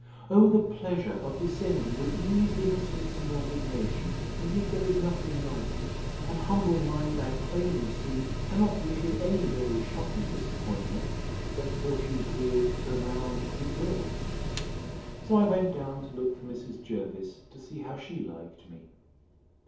O the pleasure of descending with ease, innocence, and resignation!—Indeed, there is nothing like it! An humble mind, I plainly see, cannot meet with any very shocking disappointment, let fortune's wheel turn round as it will. So I went down to look for Mrs. Jervis, to see how she liked me.